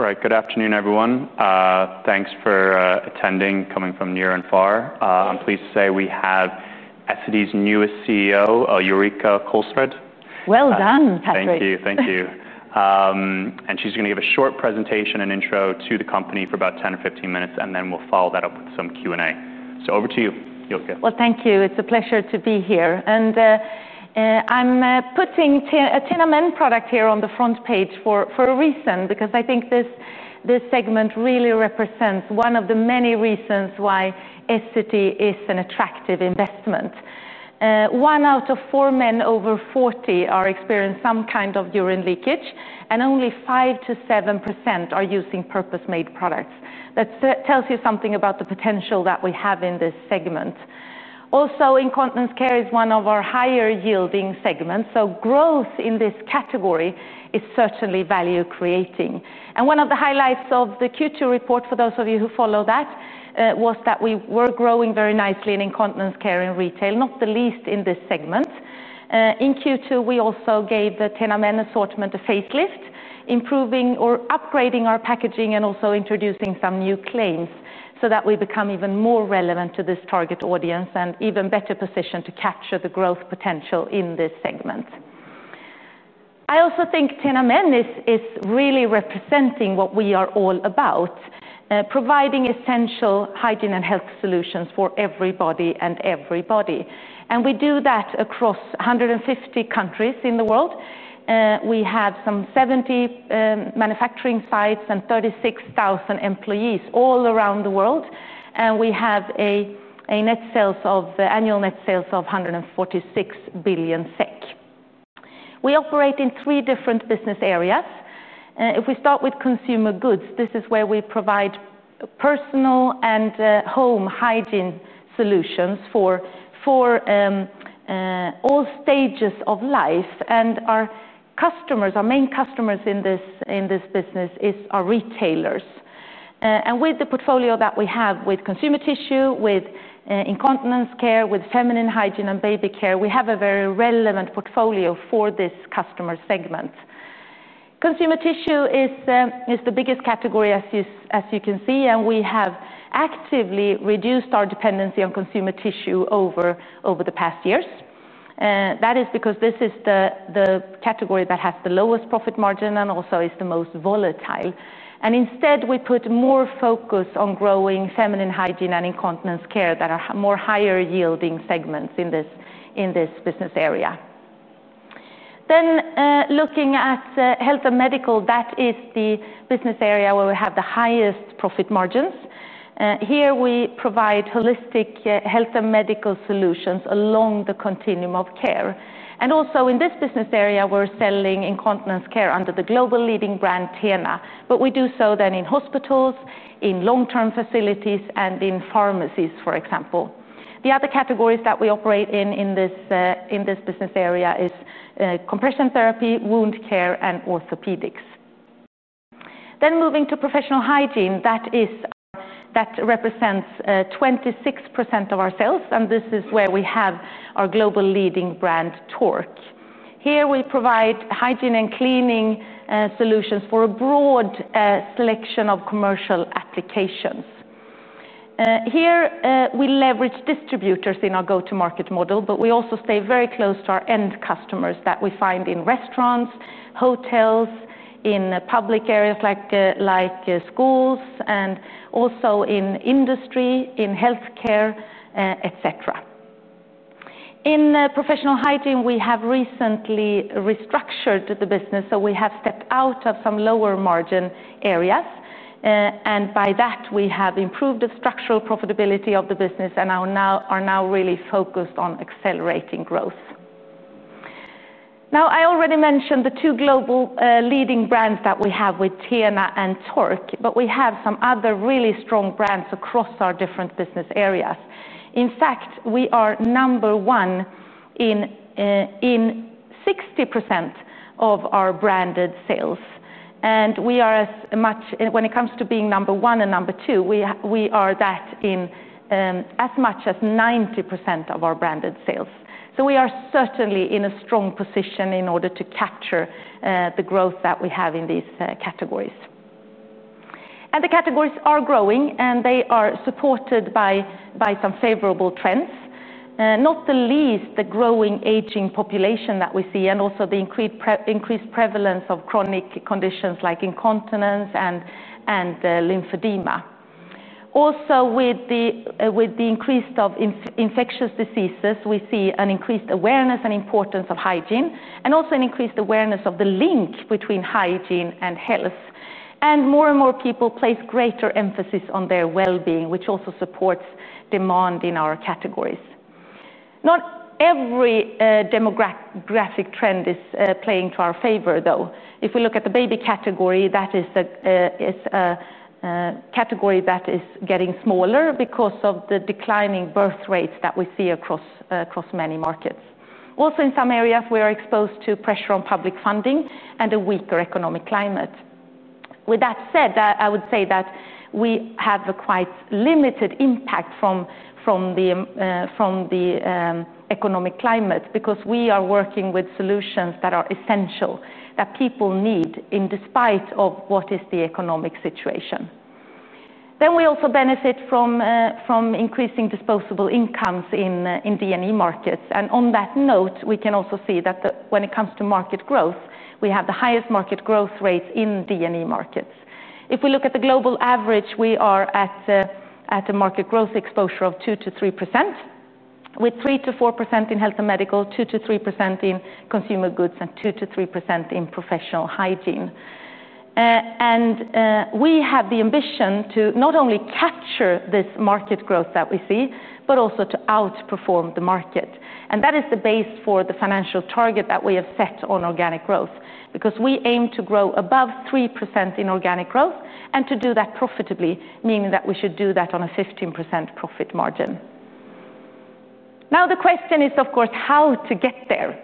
All right, good afternoon, everyone. Thanks for attending, coming from near and far. I'm pleased to say we have Essity's newest CEO, Ulrika Kolsrud. Well done, Patrick. Thank you, thank you. She is going to give a short presentation and intro to the company for about 10 or 15 minutes, and we will follow that up with some Q&A. Over to you, Ulrika. Thank you. It's a pleasure to be here. I'm putting a TENA Men product here on the front page for a reason, because I think this segment really represents one of the many reasons why Essity is an attractive investment. One out of four men over 40 are experiencing some kind of urine leakage, and only 5%- 7% are using purpose-made products. That tells you something about the potential that we have in this segment. Also, incontinence care is one of our higher-yielding segments, so growth in this category is certainly value-creating. One of the highlights of the Q2 report, for those of you who follow that, was that we were growing very nicely in incontinence care in retail, not the least in this segment. In Q2, we also gave the TENA Men assortment a facelift, improving or upgrading our packaging and also introducing some new claims so that we become even more relevant to this target audience and even better positioned to capture the growth potential in this segment. I also think TENA Men is really representing what we are all about, providing essential hygiene and health solutions for everybody and every body. We do that across 150 countries in the world. We have some 70 manufacturing sites and 36,000 employees all around the world. We have annual net sales of 146 billion SEK. We operate in three different business areas. If we start with consumer goods, this is where we provide personal and home hygiene solutions for all stages of life. Our main customers in this business are retailers. With the portfolio that we have with consumer tissue, with incontinence care, with feminine hygiene, and baby care, we have a very relevant portfolio for this customer segment. Consumer tissue is the biggest category, as you can see, and we have actively reduced our dependency on consumer tissue over the past years. That is because this is the category that has the lowest profit margin and also is the most volatile. Instead, we put more focus on growing feminine hygiene and incontinence care that are more higher-yielding segments in this business area. Looking at health and medical, that is the business area where we have the highest profit margins. Here, we provide holistic health and medical solutions along the continuum of care. Also, in this business area, we're selling incontinence care under the global leading brand TENA. We do so in hospitals, in long-term facilities, and in pharmacies, for example. The other categories that we operate in in this business area are compression therapy, wound care, and orthopedics. Moving to professional hygiene, that represents 26% of our sales, and this is where we have our global leading brand Tork. Here, we provide hygiene and cleaning solutions for a broad selection of commercial applications. We leverage distributors in our go-to-market model, but we also stay very close to our end customers that we find in restaurants, hotels, in public areas like schools, and also in industry, in health care, et cetera. In professional hygiene, we have recently restructured the business, so we have stepped out of some lower margin areas. By that, we have improved the structural profitability of the business and are now really focused on accelerating growth. I already mentioned the two global leading brands that we have with TENA and Tork, but we have some other really strong brands across our different business areas. In fact, we are number one in 60% of our branded sales. When it comes to being number one and number two, we are that in as much as 90% of our branded sales. We are certainly in a strong position in order to capture the growth that we have in these categories. The categories are growing, and they are supported by some favorable trends, not the least the growing aging population that we see and also the increased prevalence of chronic conditions like incontinence and lymphedema. Also, with the increase of infectious diseases, we see an increased awareness and importance of hygiene, and also an increased awareness of the link between hygiene and health. More and more people place greater emphasis on their well-being, which also supports demand in our categories. Not every demographic trend is playing to our favor, though. If we look at the baby category, that is a category that is getting smaller because of the declining birth rates that we see across many markets. In some areas, we are exposed to pressure on public funding and a weaker economic climate. With that said, I would say that we have a quite limited impact from the economic climate because we are working with solutions that are essential, that people need in spite of what is the economic situation. We also benefit from increasing disposable incomes in D&E regions. On that note, we can also see that when it comes to market growth, we have the highest market growth rates in D&E regions. If we look at the global average, we are at a market growth exposure of 2%- 3%, with 3%- 4% in health and medical, 2%- 3% in consumer goods, and 2%- 3% in professional hygiene. We have the ambition to not only capture this market growth that we see, but also to outperform the market. That is the base for the financial target that we have set on organic growth because we aim to grow above 3% in organic growth and to do that profitably, meaning that we should do that on a 15% profit margin. The question is, of course, how to get there.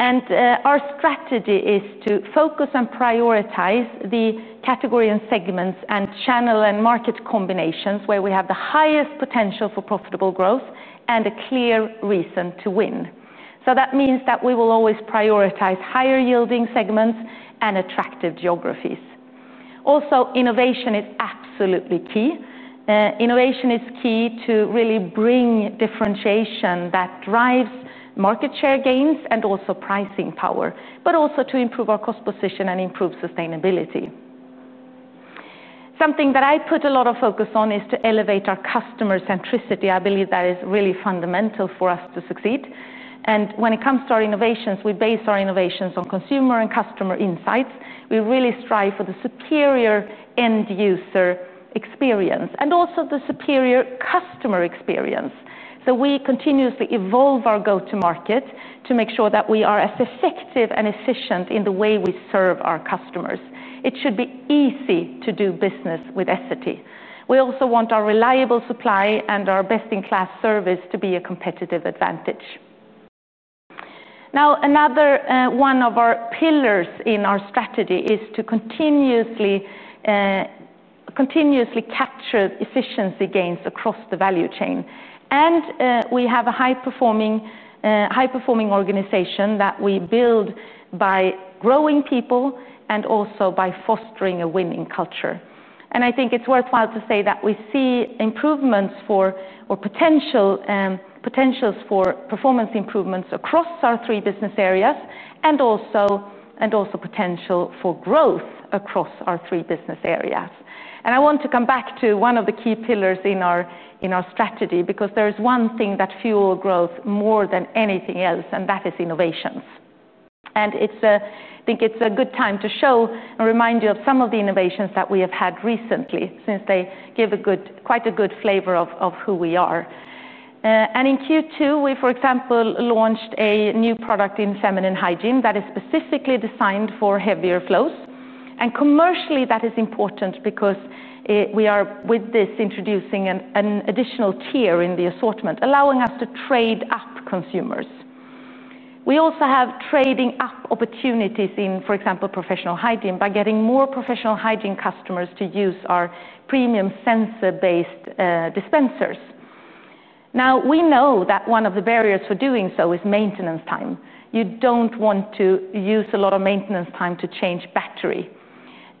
Our strategy is to focus and prioritize the category and segments and channel and market combinations where we have the highest potential for profitable growth and a clear reason to win. That means that we will always prioritize higher-yielding segments and attractive geographies. Also, innovation is absolutely key. Innovation is key to really bring differentiation that drives market share gains and also pricing power, but also to improve our cost position and improve sustainability. Something that I put a lot of focus on is to elevate our customer centricity. I believe that is really fundamental for us to succeed. When it comes to our innovations, we base our innovations on consumer and customer insights. We really strive for the superior end-user experience and also the superior customer experience. We continuously evolve our go-to-market to make sure that we are as effective and efficient in the way we serve our customers. It should be easy to do business with Essity. We also want our reliable supply and our best-in-class service to be a competitive advantage. Another one of our pillars in our strategy is to continuously capture efficiency gains across the value chain. We have a high-performing organization that we build by growing people and also by fostering a winning culture. I think it's worthwhile to say that we see improvements or potentials for performance improvements across our three business areas and also potential for growth across our three business areas. I want to come back to one of the key pillars in our strategy because there is one thing that fuels growth more than anything else, and that is innovations. I think it's a good time to show and remind you of some of the innovations that we have had recently since they give quite a good flavor of who we are. In Q2, we, for example, launched a new product in feminine hygiene that is specifically designed for heavier flows. Commercially, that is important because we are, with this, introducing an additional tier in the assortment, allowing us to trade up consumers. We also have trading up opportunities in, for example, professional hygiene by getting more professional hygiene customers to use our premium sensor-based dispensers. We know that one of the barriers for doing so is maintenance time. You don't want to use a lot of maintenance time to change battery.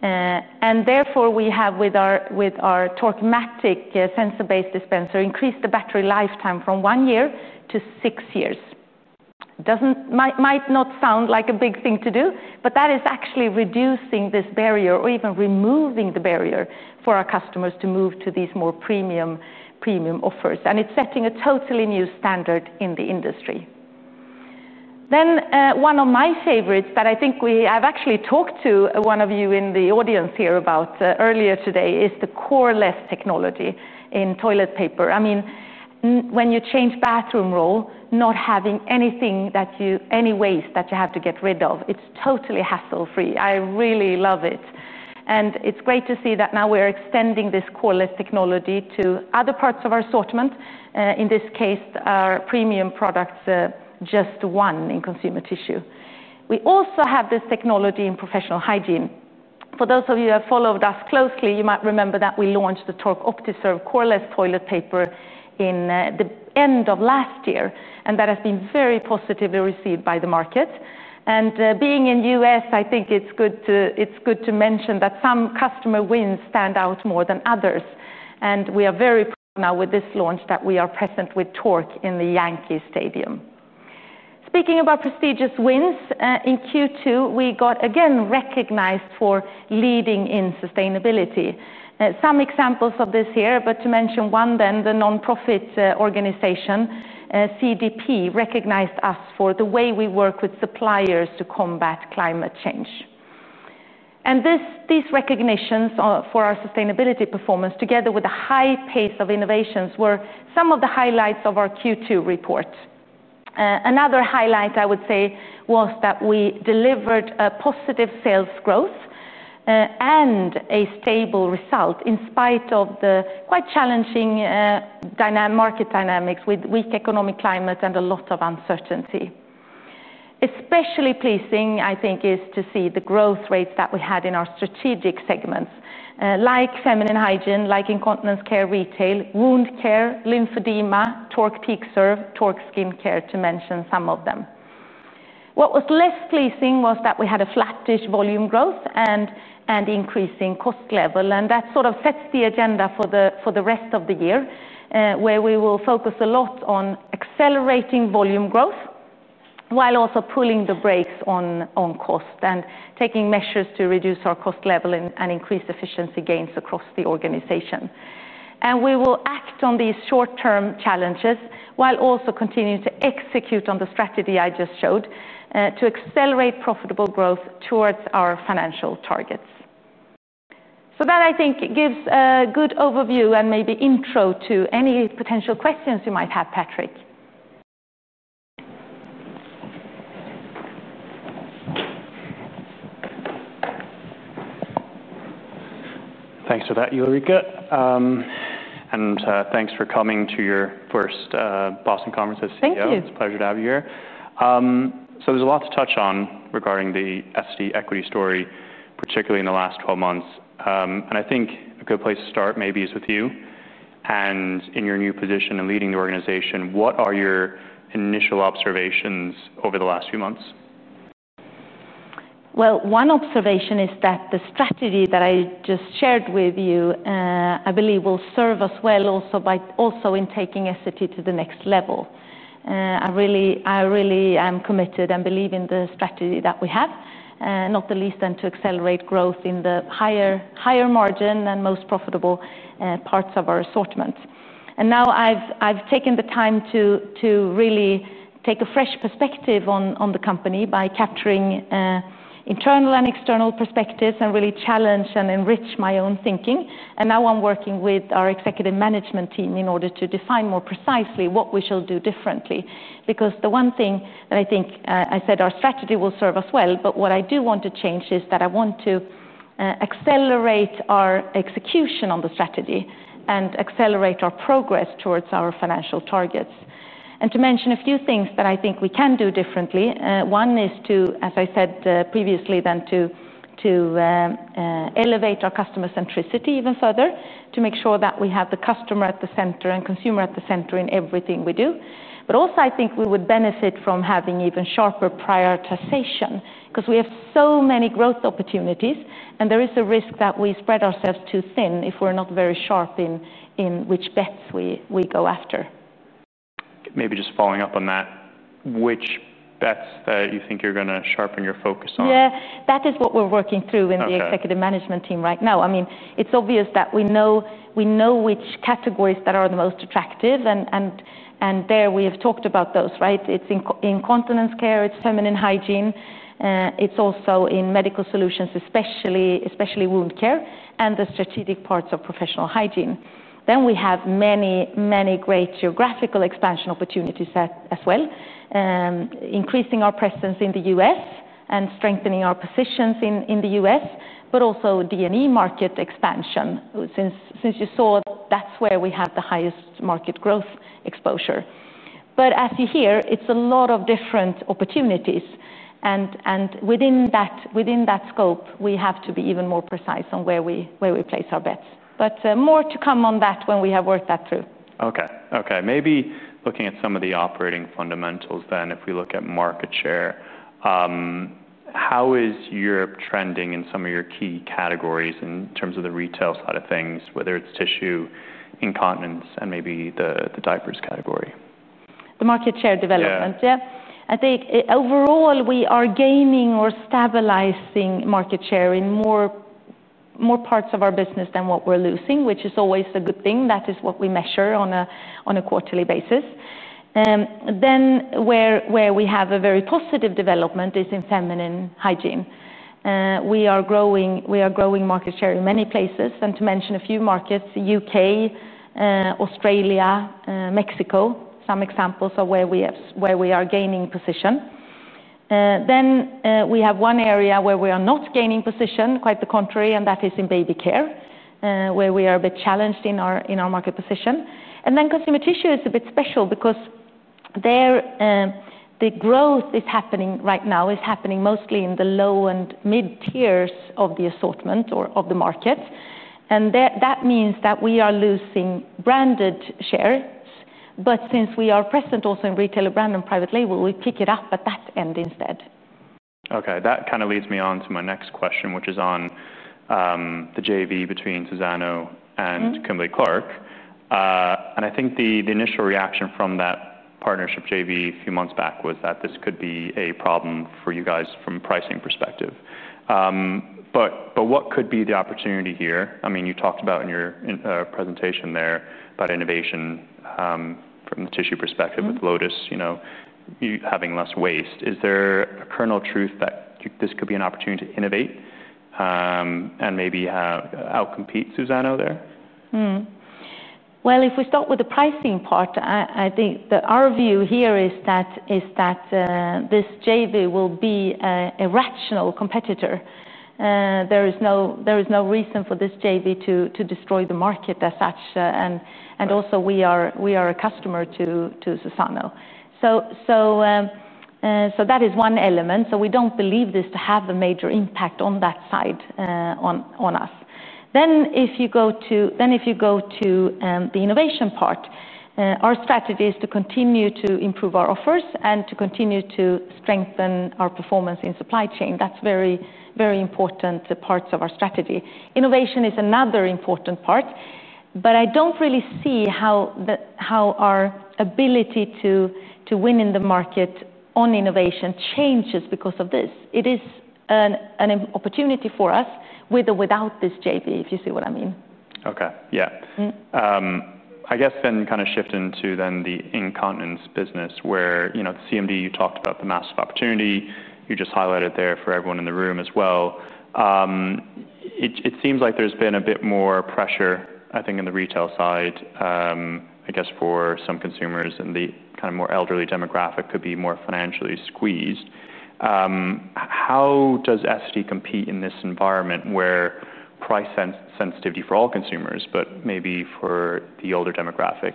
Therefore, we have, with our Tork Matic sensor-based dispenser, increased the battery lifetime from one year to six years. It might not sound like a big thing to do, but that is actually reducing this barrier or even removing the barrier for our customers to move to these more premium offers. It is setting a totally new standard in the industry. One of my favorites that I think we have actually talked to one of you in the audience here about earlier today is the Coreless toilet paper technology. I mean, when you change bathroom roll, not having anything that you, any waste that you have to get rid of, it's totally hassle-free. I really love it. It's great to see that now we're extending this Coreless technology to other parts of our assortment. In this case, our premium products, just one in consumer tissue. We also have this technology in professional hygiene. For those of you who have followed us closely, you might remember that we launched the Tork OptiServe Coreless toilet paper in the end of last year, and that has been very positively received by the market. Being in the U.S., I think it's good to mention that some customer wins stand out more than others. We are very proud now with this launch that we are present with Tork in the Yankee Stadium. Speaking about prestigious wins, in Q2, we got again recognized for leading in sustainability. Some examples of this here, but to mention one then, the non-profit organization CDP recognized us for the way we work with suppliers to combat climate change. These recognitions for our sustainability performance, together with the high pace of innovations, were some of the highlights of our Q2 report. Another highlight, I would say, was that we delivered positive sales growth and a stable result in spite of the quite challenging market dynamics with weak economic climate and a lot of uncertainty. Especially pleasing, I think, is to see the growth rates that we had in our strategic segments, like feminine hygiene, like incontinence care retail, wound care, lymphedema, Tork PeakServe, Tork Skincare, to mention some of them. What was less pleasing was that we had a flattish volume growth and increasing cost level, and that sort of sets the agenda for the rest of the year, where we will focus a lot on accelerating volume growth while also pulling the brakes on cost and taking measures to reduce our cost level and increase efficiency gains across the organization. We will act on these short-term challenges while also continuing to execute on the strategy I just showed to accelerate profitable growth towards our financial targets. I think that gives a good overview and maybe intro to any potential questions you might have, Patrick. Thanks for that, Ulrika. Thanks for coming to your first Boston Conference as CEO. Thank you. It's a pleasure to have you here. There's a lot to touch on regarding the Essity equity story, particularly in the last 12 months. I think a good place to start maybe is with you and in your new position leading the organization. What are your initial observations over the last few months? The strategy that I just shared with you, I believe, will serve us well also in taking Essity to the next level. I really am committed and believe in the strategy that we have, not the least to accelerate growth in the higher margin and most profitable parts of our assortment. I have taken the time to really take a fresh perspective on the company by capturing internal and external perspectives and really challenge and enrich my own thinking. I am working with our executive management team in order to define more precisely what we shall do differently because the one thing that I think I said our strategy will serve us well, but what I do want to change is that I want to accelerate our execution on the strategy and accelerate our progress towards our financial targets. To mention a few things that I think we can do differently, one is to, as I said previously, elevate our customer centricity even further to make sure that we have the customer at the center and consumer at the center in everything we do. I think we would benefit from having even sharper prioritization because we have so many growth opportunities and there is a risk that we spread ourselves too thin if we're not very sharp in which bets we go after. Maybe just following up on that, which bets do you think you're going to sharpen your focus on? Yeah, that is what we're working through in the executive management team right now. I mean, it's obvious that we know which categories are the most attractive, and there we have talked about those, right? It's incontinence care, it's feminine hygiene, it's also in medical solutions, especially wound care, and the strategic parts of professional hygiene. We have many, many great geographical expansion opportunities as well, increasing our presence in the U.S. and strengthening our positions in the U.S., but also D&E market expansion since you saw that's where we have the highest market growth exposure. As you hear, it's a lot of different opportunities. Within that scope, we have to be even more precise on where we place our bets. More to come on that when we have worked that through. Okay. Maybe looking at some of the operating fundamentals then, if we look at market share, how is Europe trending in some of your key categories in terms of the retail side of things, whether it's tissue, incontinence, and maybe the diapers category? I think overall we are gaining or stabilizing market share in more parts of our business than what we're losing, which is always a good thing. That is what we measure on a quarterly basis. Where we have a very The market share development, yeah. I think overall we are gaining or stabilizing market share in more parts of our business than what we're losing, which is always a good thing. That is what we measure on a quarterly basis. Where we have a very positive development is in feminine hygiene. We are growing market share in many places, and to mention a few markets, the UK, Australia, Mexico, some examples of where we are gaining position. We have one area where we are not gaining position, quite the contrary, and that is in baby care, where we are a bit challenged in our market position. Consumer tissue is a bit special because the growth that is happening right now is happening mostly in the low and mid-tiers of the assortment or of the market. That means that we are losing branded shares, but since we are present also in retail brand and private label, we pick it up at that end instead. Okay, that kind of leads me on to my next question, which is on the JV between Suzano and Kimberly-Clark. I think the initial reaction from that partnership JV a few months back was that this could be a problem for you guys from a pricing perspective. What could be the opportunity here? I mean, you talked about in your presentation there about innovation from the tissue perspective with Lotus, you know, having less waste. Is there a kernel of truth that this could be an opportunity to innovate and maybe outcompete Suzano there? If we start with the pricing part, I think our view here is that this JV will be a rational competitor. There is no reason for this JV to destroy the market as such. Also, we are a customer to Suzano. That is one element. We don't believe this to have a major impact on that side on us. If you go to the innovation part, our strategy is to continue to improve our offers and to continue to strengthen our performance in supply chain. Those are very, very important parts of our strategy. Innovation is another important part, but I don't really see how our ability to win in the market on innovation changes because of this. It is an opportunity for us with or without this JV, if you see what I mean. Okay, yeah. I guess then kind of shifting to the incontinence business where, you know, at the CMD, you talked about the massive opportunity you just highlighted there for everyone in the room as well. It seems like there's been a bit more pressure, I think, in the retail side. I guess for some consumers in the kind of more elderly demographic, they could be more financially squeezed. How does Essity compete in this environment where price sensitivity for all consumers, but maybe for the older demographic,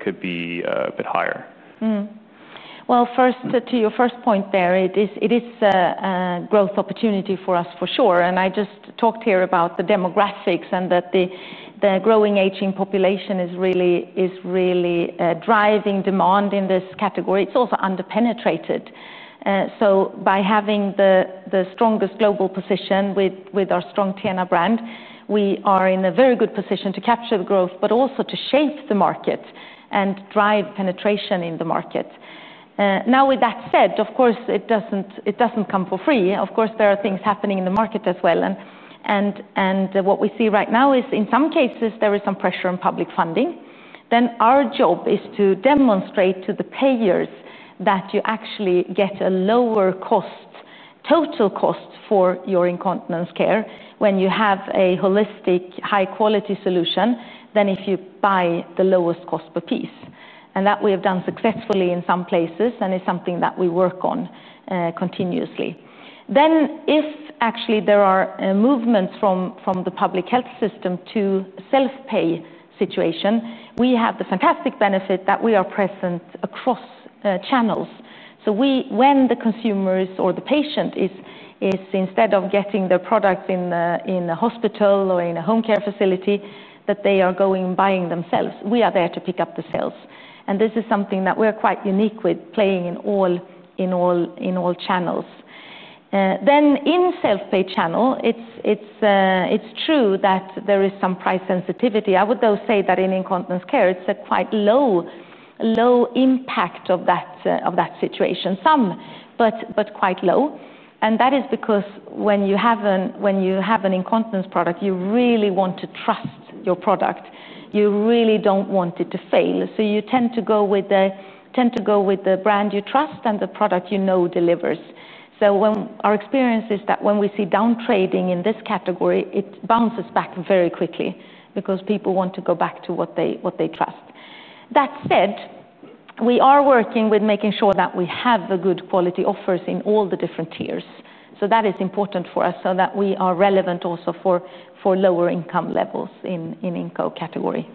could be a bit higher? First, to your first point there, it is a growth opportunity for us for sure. I just talked here about the demographics and that the growing aging population is really driving demand in this category. It's also underpenetrated. By having the strongest global position with our strong TENA brand, we are in a very good position to capture the growth, but also to shape the market and drive penetration in the market. With that said, of course, it doesn't come for free. Of course, there are things happening in the market as well. What we see right now is, in some cases, there is some pressure on public funding. Our job is to demonstrate to the payers that you actually get a lower total cost for your incontinence care when you have a holistic, high-quality solution than if you buy the lowest cost per piece. That we have done successfully in some places and is something that we work on continuously. If actually there are movements from the public health system to a self-pay situation, we have the fantastic benefit that we are present across channels. When the consumer or the patient is, instead of getting their products in a hospital or in a home care facility, buying themselves, we are there to pick up the sales. This is something that we're quite unique with, playing in all channels. In self-pay channel, it's true that there is some price sensitivity. I would though say that in incontinence care, it's a quite low impact of that situation, some, but quite low. That is because when you have an incontinence product, you really want to trust your product. You really don't want it to fail. You tend to go with the brand you trust and the product you know delivers. Our experience is that when we see downtrading in this category, it bounces back very quickly because people want to go back to what they trust. That said, we are working with making sure that we have good quality offers in all the different tiers. That is important for us so that we are relevant also for lower income levels in the incontinence care category.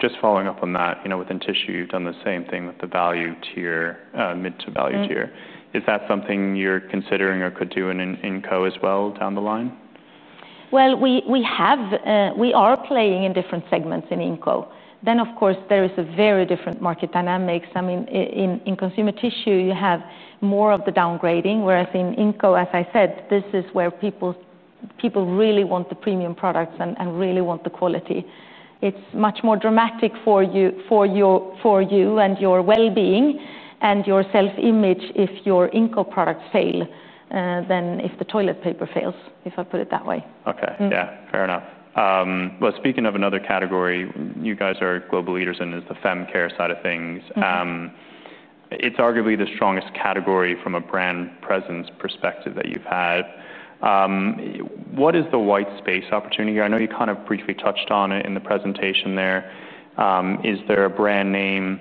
Just following up on that, within tissue, you've done the same thing with the value tier, mid to value tier. Is that something you're considering or could do in incontinence care as well down the line? We are playing in different segments in INCO. Of course, there is a very different market dynamics. I mean, in consumer tissue, you have more of the downgrading, whereas in INCO, as I said, this is where people really want the premium products and really want the quality. It's much more dramatic for you and your well-being and your self-image if your INCO products fail than if the toilet paper fails, if I put it that way. Okay, yeah, fair enough. Speaking of another category, you guys are global leaders in the fem care side of things. It's arguably the strongest category from a brand presence perspective that you've had. What is the white space opportunity here? I know you kind of briefly touched on it in the presentation there. Is there a brand name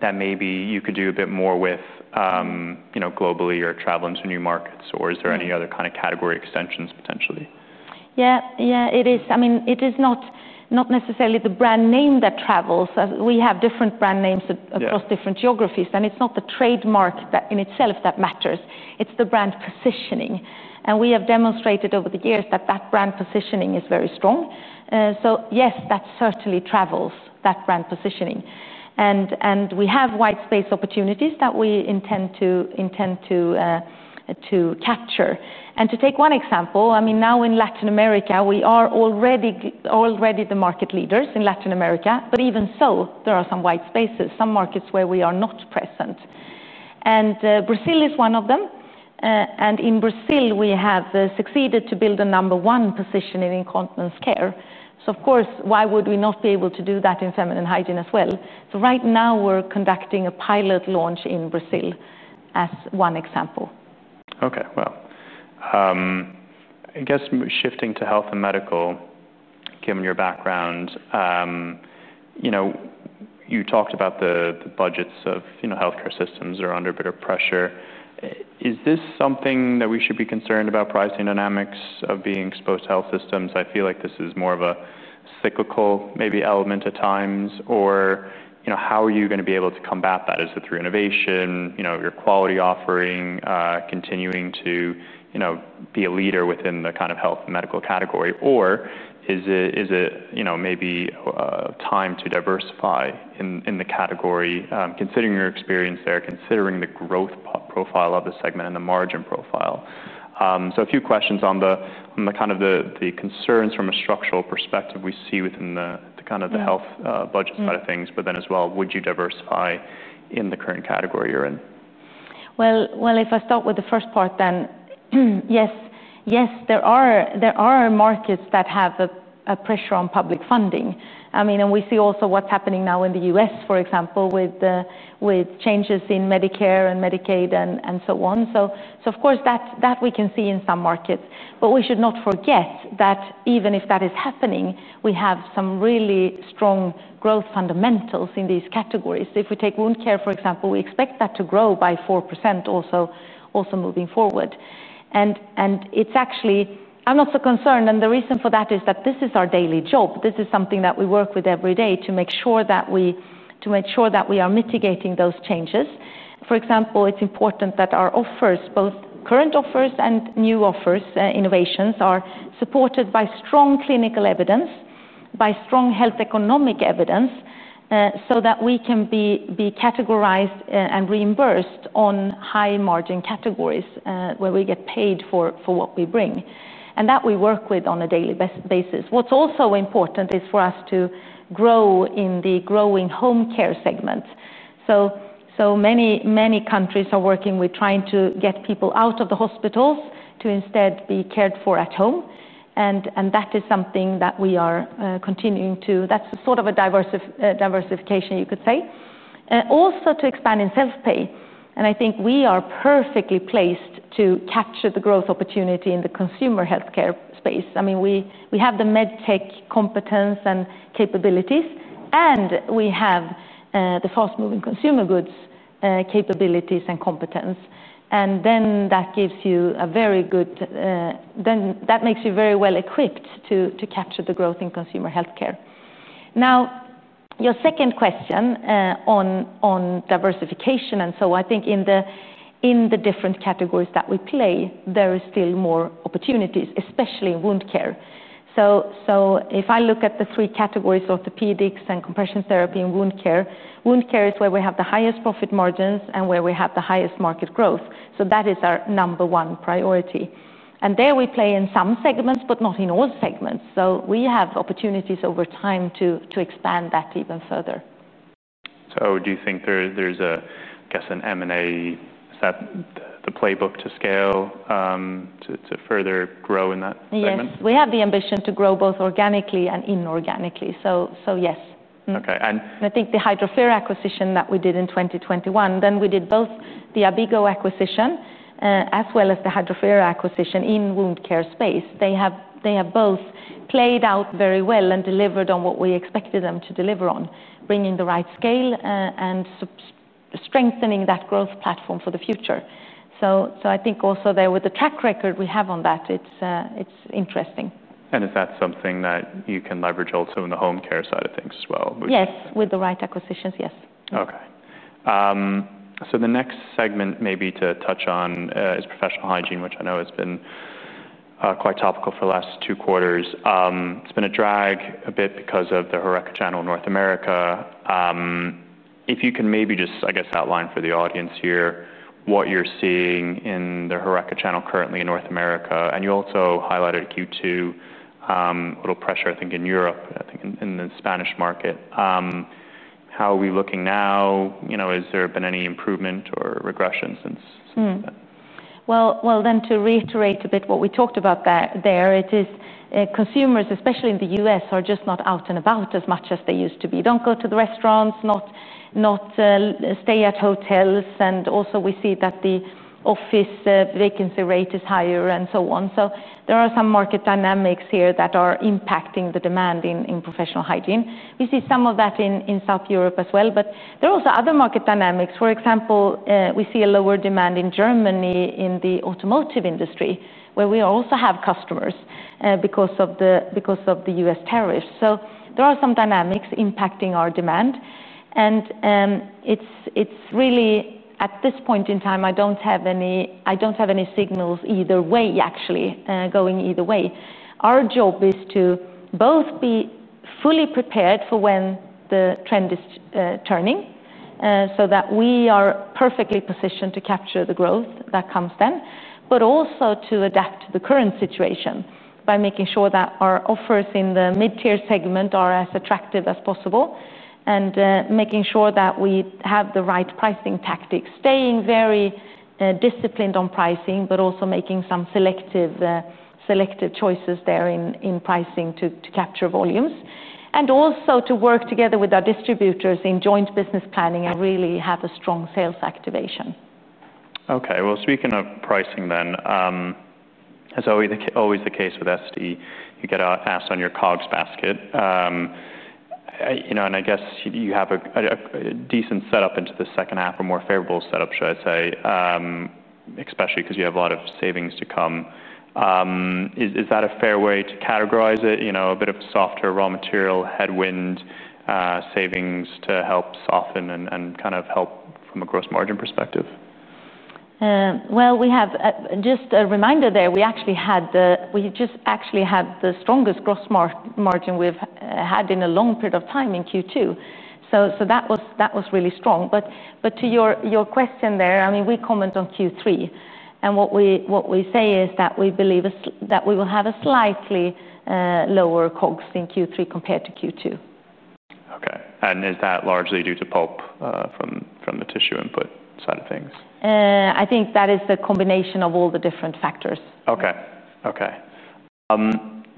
that maybe you could do a bit more with, you know, globally or travel into new markets, or is there any other kind of category extensions potentially? Yeah, yeah, it is. I mean, it is not necessarily the brand name that travels. We have different brand names across different geographies, and it's not the trademark in itself that matters. It's the brand positioning. We have demonstrated over the years that that brand positioning is very strong. Yes, that certainly travels, that brand positioning. We have white space opportunities that we intend to capture. To take one example, I mean, now in Latin America, we are already the market leaders in Latin America, but even so, there are some white spaces, some markets where we are not present. Brazil is one of them. In Brazil, we have succeeded to build a number one position in incontinence care. Of course, why would we not be able to do that in feminine hygiene as well? Right now, we're conducting a pilot launch in Brazil as one example. Okay, wow. I guess shifting to health and medical, given your background, you know, you talked about the budgets of healthcare systems are under a bit of pressure. Is this something that we should be concerned about, pricing dynamics of being exposed to health systems? I feel like this is more of a cyclical maybe element at times, or how are you going to be able to combat that? Is it through innovation, your quality offering, continuing to be a leader within the kind of health and medical category, or is it maybe time to diversify in the category, considering your experience there, considering the growth profile of the segment and the margin profile? A few questions on the kind of the concerns from a structural perspective we see within the kind of the health budget side of things, but then as well, would you diversify in the current category you're in? If I start with the first part, yes, there are markets that have a pressure on public funding. I mean, we see also what's happening now in the U.S., for example, with changes in Medicare and Medicaid and so on. Of course, that we can see in some markets. We should not forget that even if that is happening, we have some really strong growth fundamentals in these categories. If we take wound care, for example, we expect that to grow by 4% also moving forward. It's actually, I'm not so concerned, and the reason for that is that this is our daily job. This is something that we work with every day to make sure that we are mitigating those changes. For example, it's important that our offers, both current offers and new offers, innovations are supported by strong clinical evidence, by strong health economic evidence, so that we can be categorized and reimbursed on high margin categories where we get paid for what we bring. That we work with on a daily basis. What's also important is for us to grow in the growing home care segment. Many, many countries are working with trying to get people out of the hospitals to instead be cared for at home. That is something that we are continuing to, that's a sort of a diversification, you could say. Also to expand in self-pay. I think we are perfectly placed to capture the growth opportunity in the consumer healthcare space. I mean, we have the medtech competence and capabilities, and we have the fast-moving consumer goods capabilities and competence. That gives you a very good, that makes you very well equipped to capture the growth in consumer healthcare. Now, your second question on diversification, I think in the different categories that we play, there are still more opportunities, especially in wound care. If I look at the three categories, orthopedics and compression therapy and wound care, wound care is where we have the highest profit margins and where we have the highest market growth. That is our number one priority. There we play in some segments, but not in all segments. We have opportunities over time to expand that even further. Do you think there's an M&A, a set playbook to scale to further grow in that segment? Yes, we have the ambition to grow both organically and inorganically. Yes. Okay. I think the Hydrofera acquisition that we did in 2021, then we did both the ABIGO acquisition as well as the Hydrofera acquisition in the wound care space. They have both played out very well and delivered on what we expected them to deliver on, bringing the right scale and strengthening that growth platform for the future. I think also there with the track record we have on that, it's interesting. Is that something that you can leverage also in the home care side of things as well? Yes, with the right acquisitions, yes. Okay. The next segment maybe to touch on is professional hygiene, which I know has been quite topical for the last two quarters. It's been a drag a bit because of the HoReCa channel in North America. If you can maybe just, I guess, outline for the audience here what you're seeing in the HoReCa channel currently in North America, and you also highlighted Q2 a little pressure, I think, in Europe, I think in the Spanish market. How are we looking now? Has there been any improvement or regression since? To reiterate a bit what we talked about there, it is consumers, especially in the U.S., are just not out and about as much as they used to be. Don't go to the restaurants, not stay at hotels, and also we see that the office vacancy rate is higher and so on. There are some market dynamics here that are impacting the demand in professional hygiene. We see some of that in South Europe as well, but there are also other market dynamics. For example, we see a lower demand in Germany in the automotive industry, where we also have customers because of the U.S tariffs. There are some dynamics impacting our demand. At this point in time, I don't have any signals either way, actually, going either way. Our job is to both be fully prepared for when the trend is turning so that we are perfectly positioned to capture the growth that comes then, but also to adapt to the current situation by making sure that our offers in the mid-tier segment are as attractive as possible and making sure that we have the right pricing tactics, staying very disciplined on pricing, but also making some selected choices there in pricing to capture volumes and also to work together with our distributors in joint business planning and really have a strong sales activation. Okay, speaking of pricing then, as always the case with Essity, you get asked on your COGS basket. You know, and I guess you have a decent setup into the second half or more favorable setup, should I say, especially because you have a lot of savings to come. Is that a fair way to categorize it? You know, a bit of softer raw material headwind, savings to help soften and kind of help from a gross margin perspective? We have just a reminder there. We actually had the strongest gross margin we've had in a long period of time in Q2. That was really strong. To your question there, I mean, we comment on Q3. What we say is that we believe that we will have a slightly lower COGS in Q3 compared to Q2. Is that largely due to pulp from the tissue input side of things? I think that is the combination of all the different factors. Okay.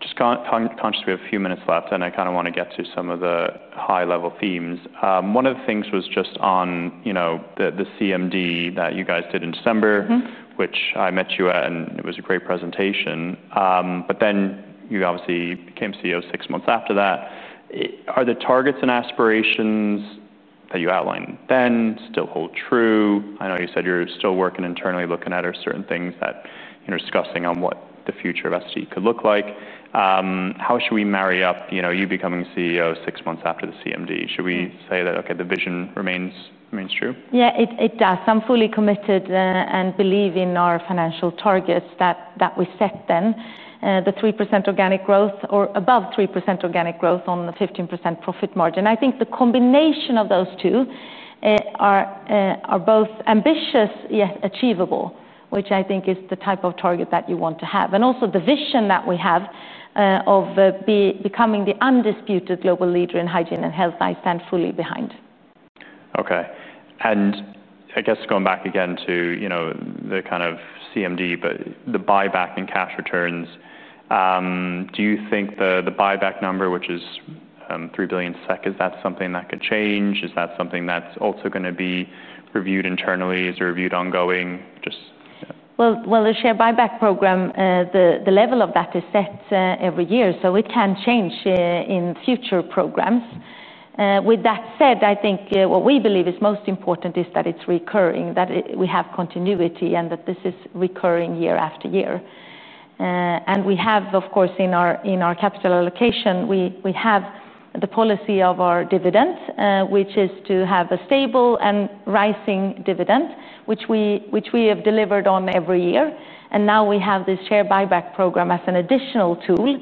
Just conscious we have a few minutes left, and I kind of want to get to some of the high-level themes. One of the things was just on, you know, the CMD that you guys did in December, which I met you at, and it was a great presentation. You obviously became CEO six months after that. Are the targets and aspirations that you outlined then still hold true? I know you said you're still working internally, looking at certain things that you're discussing on what the future of Essity could look like. How should we marry up, you know, you becoming CEO six months after the CMD? Should we say that, okay, the vision remains true? Yeah, it does. I'm fully committed and believe in our financial targets that we set then. The 3% organic growth or above 3% organic growth on the 15% profit margin. I think the combination of those two are both ambitious yet achievable, which I think is the type of target that you want to have. Also, the vision that we have of becoming the undisputed global leader in hygiene and health, I stand fully behind. Okay. I guess going back again to, you know, the kind of CMD, the buyback and cash returns, do you think the buyback number, which is 3 billion SEK, is that something that could change? Is that something that's also going to be reviewed internally? Is it reviewed ongoing? The share buyback program, the level of that is set every year. It can change in future programs. With that said, I think what we believe is most important is that it's recurring, that we have continuity and that this is recurring year after year. We have, of course, in our capital allocation, the policy of our dividend, which is to have a stable and rising dividend, which we have delivered on every year. Now we have this share buyback program as an additional tool.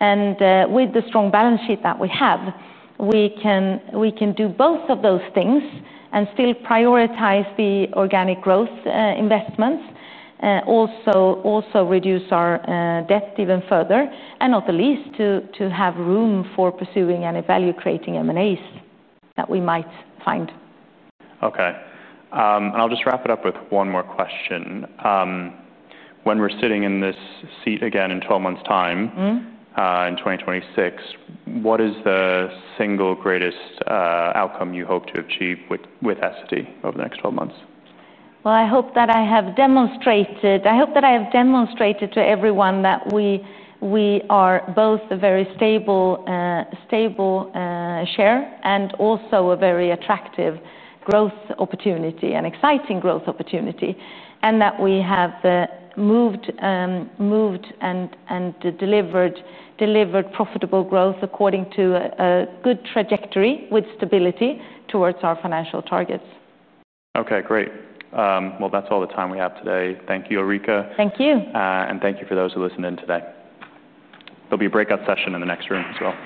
With the strong balance sheet that we have, we can do both of those things and still prioritize the organic growth investments, also reduce our debt even further, and not the least to have room for pursuing any value-creating M&As that we might find. Okay. I'll just wrap it up with one more question. When we're sitting in this seat again in 12 months' time, in 2026, what is the single greatest outcome you hope to achieve with Essity over the next 12 months? I hope that I have demonstrated to everyone that we are both a very stable share and also a very attractive growth opportunity and exciting growth opportunity, and that we have moved and delivered profitable growth according to a good trajectory with stability towards our financial targets. Okay, great. That's all the time we have today. Thank you, Ulrika. Thank you. Thank you for those who listened in today. There will be a breakout session in the next room as well.